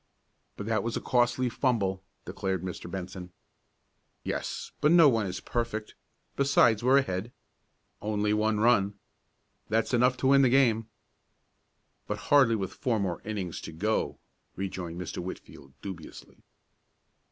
"But that was a costly fumble," declared Mr. Benson. "Yes, but no one is perfect. Besides we're ahead." "Only one run." "That's enough to win the game." "But hardly with four more innings to go," rejoined Mr. Whitfield, dubiously.